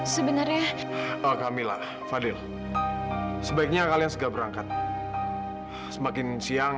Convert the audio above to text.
sampai jumpa di video selanjutnya